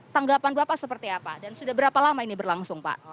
tanggapan bapak seperti apa dan sudah berapa lama ini berlangsung pak